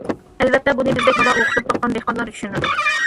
ئەلۋەتتە بۇنى بىزدەك بالا ئوقۇتۇپ باققان دېھقانلار چۈشىنىدۇ.